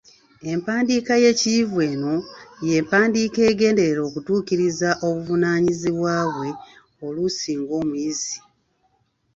Empandiika y’ekiyivu eno y’empandiika egenderera okutuukiriza obuvunaanyiziba bwe oluusi ng’omuyizi.